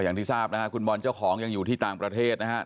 อย่างที่ทราบนะฮะคุณบอลเจ้าของยังอยู่ที่ต่างประเทศนะครับ